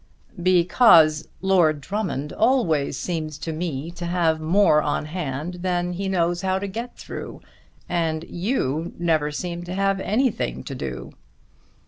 "Because Lord Drummond always seems to me to have more on hand than he knows how to get through, and you never seem to have anything to do."